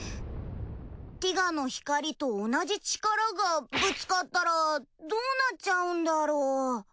ティガの光と同じ力がぶつかったらどうなっちゃうんだろう？